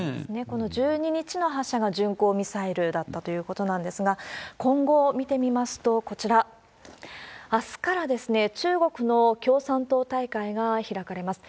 この１２日の発射が巡航ミサイルだったということなんですが、今後を見てみますと、こちら、あすから中国の共産党大会が開かれます。